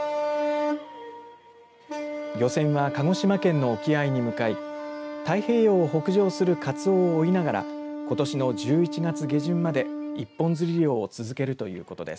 漁船は鹿児島県の沖合に向かい太平洋を北上するかつおを追いながらことしの１１月下旬まで一本釣り漁を続けるということです。